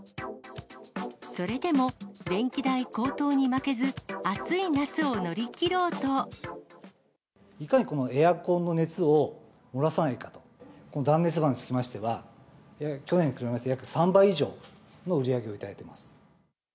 それでも、電気代高騰に負けず、いかにこのエアコンの熱を漏らさないかと、この断熱窓につきましては、去年に比べまして約３倍以上の売り上げをいただいています。